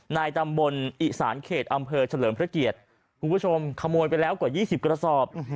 ในตำบลอีสานเขตอำเภอเฉลิมพระเกียรติคุณผู้ชมขโมยไปแล้วกว่า๒๐กระสอบ